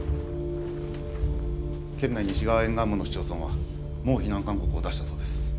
県内西側沿岸部の市町村はもう避難勧告を出したそうです。